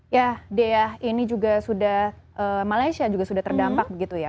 ya dea ini juga sudah malaysia juga sudah terdampak begitu ya